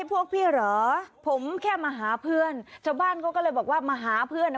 พี่เขามายพซื้อไปคองบ้านซึ้ง